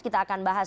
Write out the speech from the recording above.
kita akan bahas